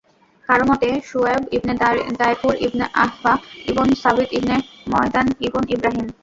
কারও মতে, শুআয়ব ইবন দায়ফূর ইবন আয়ফা ইবন ছাবিত ইবন মাদয়ান ইবন ইবরাহীম।